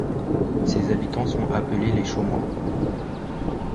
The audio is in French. Ses habitants sont appelés les Chaumois.